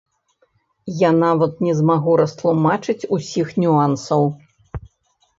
Я нават не змагу растлумачыць усіх нюансаў.